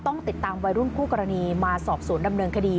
ต้องติดตามวัยรุ่นคู่กรณีมาสอบสวนดำเนินคดี